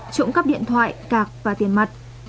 trộm cắp điện thoại cạc và tiền mặt